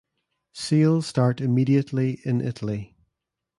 Sales start immediately in Italy.